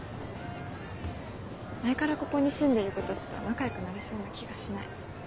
前からここに住んでる子たちとは仲よくなれそうな気がしない。